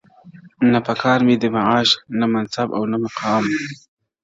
نه په کار مي دی معاش نه منصب او نه مقام-